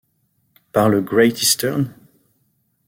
Par le Great-Eastern ?